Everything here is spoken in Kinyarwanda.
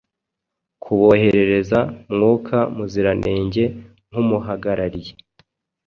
kuboherereza Mwuka Muziranenge nk’Umuhagarariye.